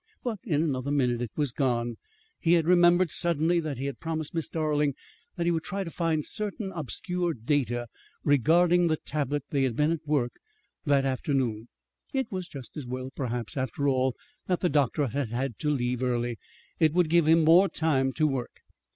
But in another minute it was gone: he had remembered suddenly that he had promised Miss Darling that he would try to find certain obscure data regarding the tablet they had been at work upon that afternoon. It was just as well, perhaps, after all, that the doctor had had to leave early it would give more time for work.